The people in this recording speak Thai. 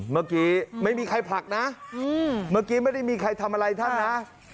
เมื่อกี้ไม่มีใครผลักนะเมื่อกี้ไม่ได้มีใครทำอะไรท่านนะ